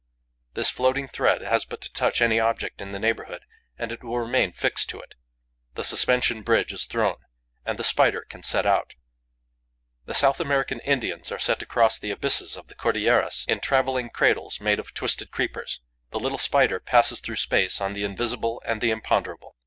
This floating thread has but to touch any object in the neighbourhood and it will remain fixed to it. The suspension bridge is thrown; and the Spider can set out. The South American Indians are said to cross the abysses of the Cordilleras in travelling cradles made of twisted creepers; the little Spider passes through space on the invisible and the imponderable.